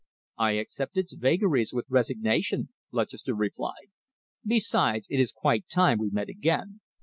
"I accept its vagaries with resignation," Lutchester replied. "Besides, it is quite time we met again.